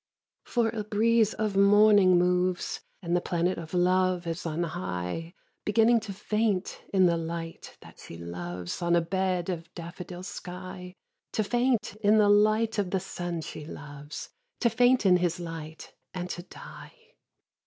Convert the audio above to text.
2. For a breeze of morning moves, And the planet of Love is on high, Beginning to faint in the light that she loves On a bed of daffodil sky, To faint in the light of the sun she loves. To faint in his light, and to die.